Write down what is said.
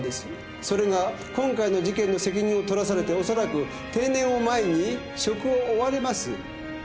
それが今回の事件の責任を取らされておそらく定年を前に職を追われます。